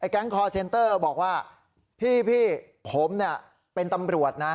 แก๊งคอร์เซ็นเตอร์บอกว่าพี่ผมเป็นตำรวจนะ